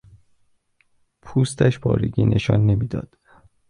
پوستش پارگی نشان نمیداد.